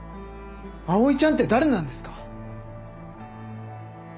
「葵ちゃん」って誰なんですか？